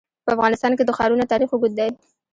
په افغانستان کې د ښارونه تاریخ اوږد دی.